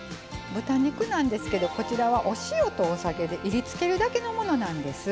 豚肉なんですけどこちらはお塩とお酒でいりつけるだけのものなんです。